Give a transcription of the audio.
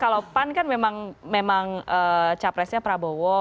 kalau pan kan memang capresnya prabowo